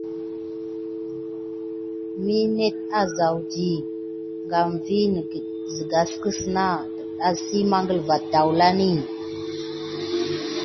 Mi net aza əŋzia nam di, wounet tay azam sa waməget va məngələ.